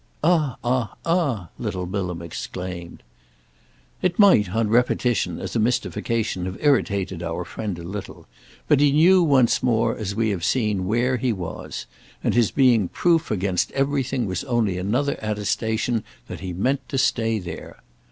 "Ah, ah, ah!" little Bilham exclaimed. It might, on repetition, as a mystification, have irritated our friend a little, but he knew, once more, as we have seen, where he was, and his being proof against everything was only another attestation that he meant to stay there.